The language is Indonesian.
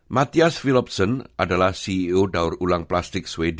mathias philipsen adalah ceo daurulang plastik sweden